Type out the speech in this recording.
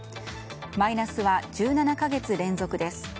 マイナスは１７か月連続です。